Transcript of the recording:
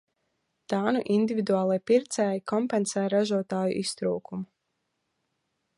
Tā nu individuālie pircēji kompensē ražotāju iztrūkumu.